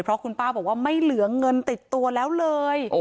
เพราะคุณป้าบอกว่าไม่เหลือเงินติดตัวแล้วเลย